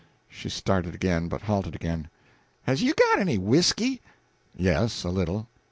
She started again, but halted again. "Has you got any whisky?" "Yes, a little."